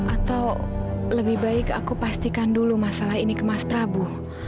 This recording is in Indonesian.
atau lebih baik aku pastikan dulu masalah ini ke mas prabu